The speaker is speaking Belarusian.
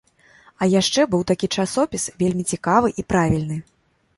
А яшчэ быў такі часопіс, вельмі цікавы і правільны.